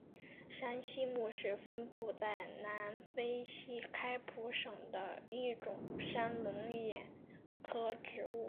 山栖木是分布在南非西开普省的一种山龙眼科植物。